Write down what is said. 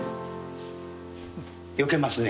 よけますね